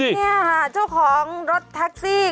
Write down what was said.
นี่ค่ะเจ้าของรถแท็กซี่